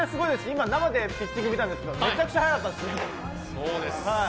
今、生でピッチング見たんですけどめちゃくちゃ速かったです。